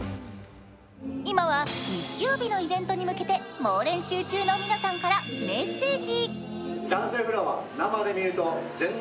今は日曜日のイベントに向けて猛練習中の皆さんからメッセージ。